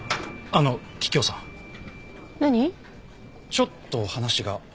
ちょっと話が。